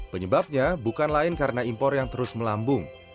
penyebabnya bukan lain karena impor yang terus melambung